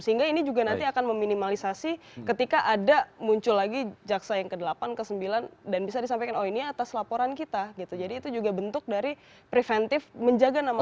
sehingga ini juga nanti akan meminimalisasi ketika ada muncul lagi jaksa yang ke delapan ke sembilan dan bisa disampaikan oh ini atas laporan kita gitu jadi itu juga bentuk dari preventif menjaga nama nama